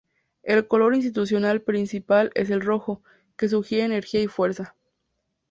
El color institucional principal es el rojo, que sugiere energía y fuerza.